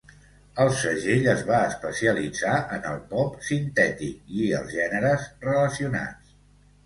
El segell es va especialitzar en el pop sintètic i els gèneres relacionats.